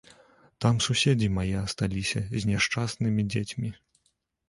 Там суседзі мае асталіся з няшчаснымі дзецьмі.